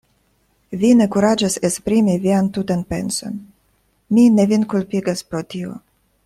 Vi ne kuraĝas esprimi vian tutan penson; mi ne vin kulpigas pro tio.